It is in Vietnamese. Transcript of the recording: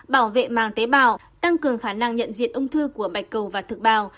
bảo vệ màng tế bào tăng cường khả năng nhận diện ung thư của bạch cầu và thực bào